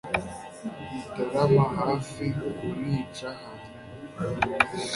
mutarama hafi kumwica; hanyuma